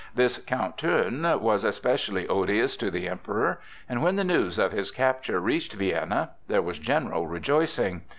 This Count Thurn was especially odious to the Emperor, and when the news of his capture reached Vienna, there was general rejoicing.